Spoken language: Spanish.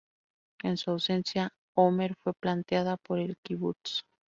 En su ausencia, Omer fue planteada por el kibbutz.